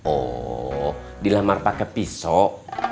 oh dilemar pakai pisau